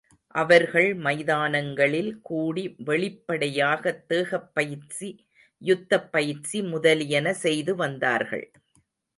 அவர்கள் மைதானங்களில் கூடி வெளிப்படையாகத் தேகப்பயிற்சி, யுத்தப் பயிற்சி முதலியன செய்து வந்தார்கள்.